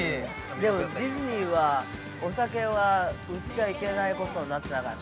でも、ディズニーは、お酒は売っちゃいけないことになってなかった？